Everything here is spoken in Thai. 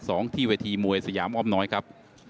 สวัสดีครับ